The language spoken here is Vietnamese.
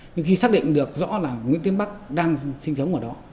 nhưng khi xác định được rõ là nguyễn tiến bắc đang sinh sống ở đó